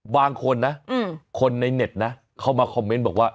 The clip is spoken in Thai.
บางคนนะคนในเน็ตนะเข้ามาคอมเมนต์บอกว่า